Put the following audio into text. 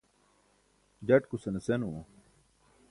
jaṭkusane senumo